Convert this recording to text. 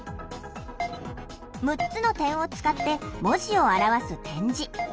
６つの点を使って文字を表す点字。